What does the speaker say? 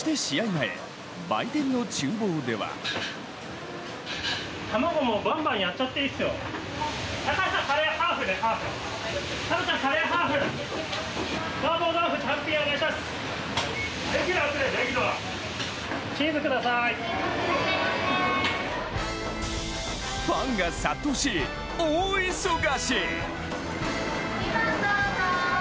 前、売店のちゅう房ではファンが殺到し、大忙し。